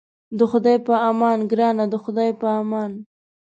د خدای په امان ګرانه د خدای په امان.